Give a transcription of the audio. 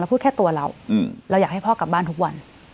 พูดแค่ตัวเราเราอยากให้พ่อกลับบ้านทุกวัน